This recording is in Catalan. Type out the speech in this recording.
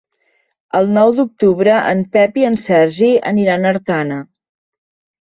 El nou d'octubre en Pep i en Sergi aniran a Artana.